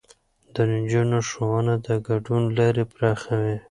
د نجونو ښوونه د ګډون لارې پراخوي.